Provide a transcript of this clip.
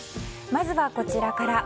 まずはこちらから。